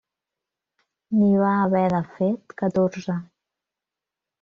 N'hi va haver, de fet, catorze.